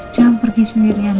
jangan pergi sendirian